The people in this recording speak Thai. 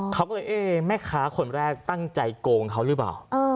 เขาก็เลยเอ๊ะแม่ค้าคนแรกตั้งใจโกงเขาหรือเปล่า